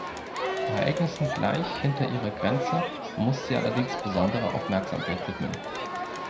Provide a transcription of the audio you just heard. Ereignissen gleich hinter ihrer Grenze muss sie allerdings besondere Aufmerksamkeit widmen.